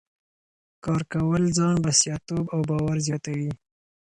کار کول ځان بسیا توب او باور زیاتوي.